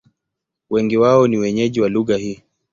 Wengi wao ni wenyeji wa lugha hii.